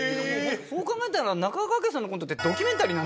そう考えたら中川家さんのコントってドキュメンタリーなんですね。